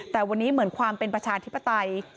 แต่วันนี้เหมือนความเป็นประชาธิปไตย